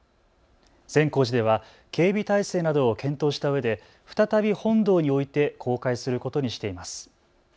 善光寺では警備体制などを検討したうえで再び本堂に置いて公開することにしています。